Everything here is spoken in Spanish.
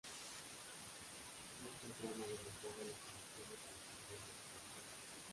Nunca se han adelantado las elecciones a la Asamblea de Extremadura.